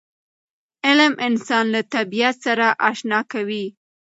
علم انسان له طبیعت سره اشنا کوي.